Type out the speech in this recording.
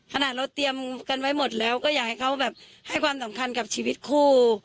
เราเตรียมกันไว้หมดแล้วก็อยากให้เขาแบบให้ความสำคัญกับชีวิตคู่